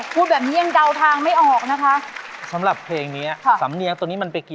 พูดแบบนี้ยังเดาทางไม่ออกนะคะ